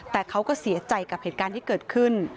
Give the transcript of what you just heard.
แต่เขาก็เสียใจกับเหตุการณ์ที่เกิดขึ้น